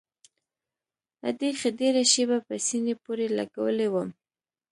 ادې ښه ډېره شېبه په سينې پورې لګولى وم.